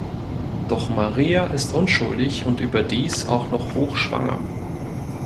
Doch Maria ist unschuldig und überdies auch noch hochschwanger.